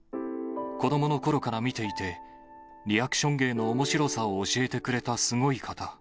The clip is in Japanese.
子どものころから見ていて、リアクション芸のおもしろさを教えてくれたすごい方。